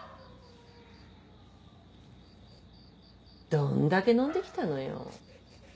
どんだけ飲んできたのよ。